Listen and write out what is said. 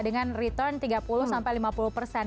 dengan return tiga puluh sampai lima puluh persen